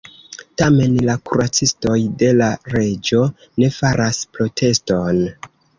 Tamen, la kuracistoj de la reĝo ne faras proteston.